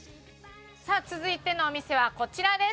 さあ続いてのお店はこちらです。